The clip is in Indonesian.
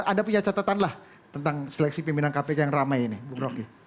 anda punya catatan lah tentang seleksi pimpinan kpk yang ramai ini bung roky